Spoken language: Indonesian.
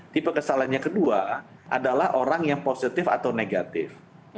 tipe kesalahannya kedua adalah orang yang positif atau negatif